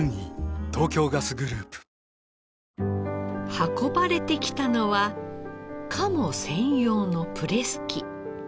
運ばれてきたのは鴨専用のプレス機。